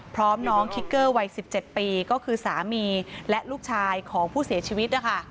พร้อมน้องคิกเกอร์วัย๑๗ปีก็คือสามีและลูกชายของผู้เสียชีวิตนะคะ